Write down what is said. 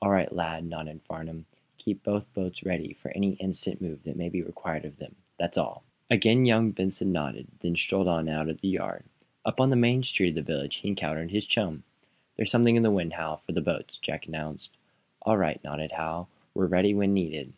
"All right, lad," nodded Farnum. "Keep both boats ready for any instant move that may be required of them. That's all." Again young Benson nodded, then strolled on out of the yard. Up on the Main street of the village he encountered his chum. "There's something in the wind, Hal, for the boats," Jack announced. "All right," nodded Hal. "We're ready when needed."